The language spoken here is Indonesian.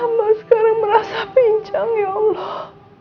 amba sekarang merasa pinjang ya allah